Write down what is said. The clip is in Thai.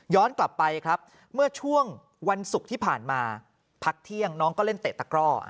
กลับไปครับเมื่อช่วงวันศุกร์ที่ผ่านมาพักเที่ยงน้องก็เล่นเตะตะกร่อ